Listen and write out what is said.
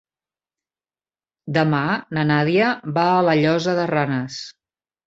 Demà na Nàdia va a la Llosa de Ranes.